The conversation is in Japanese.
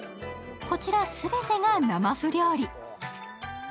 こちら全てが生麩料理。